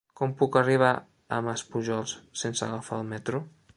Com puc arribar a Maspujols sense agafar el metro?